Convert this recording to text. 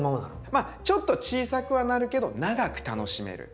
まあちょっと小さくはなるけど長く楽しめる。